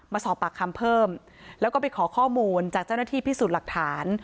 มาสอบปากคำเพิ่มแล้วก็ไปขอข้อมูลจากเจ้าหน้าที่พิสูจน์หลักฐาน